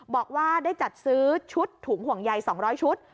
บอกว่าได้จัดซื้อชุดถุงห่วงใย๒๐๐ชุด